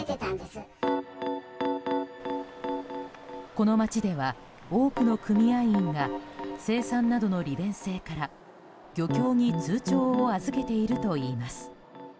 この町では、多くの組合員が精算などの利便性から漁協に通帳を預けているといいます。